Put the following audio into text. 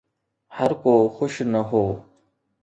هرڪو خوش نه هو